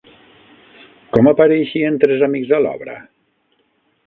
Com apareixien tres amics a l'obra?